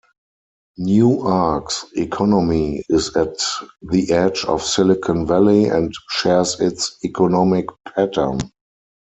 Newark's economy is at the edge of Silicon Valley and shares its economic pattern.